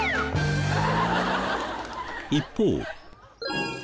一方。